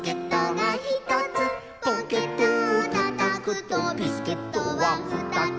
「ポケットをたたくとビスケットはふたつ」